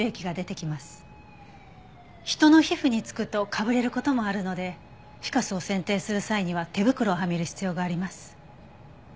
人の皮膚に付くとかぶれる事もあるのでフィカスを剪定する際には手袋をはめる必要があります。